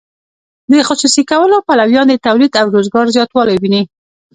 د خصوصي کولو پلویان د تولید او روزګار زیاتوالی ویني.